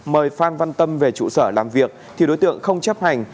mời phan văn tâm về trụ sở làm việc thì đối tượng không chấp hành